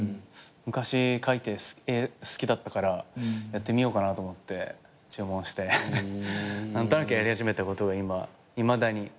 昔描いて絵好きだったからやってみようかなと思って注文して何となくやり始めたことがいまだに。